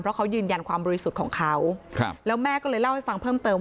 เพราะเขายืนยันความบริสุทธิ์ของเขาแล้วแม่ก็เลยเล่าให้ฟังเพิ่มเติม